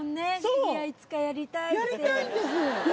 やりたいんです。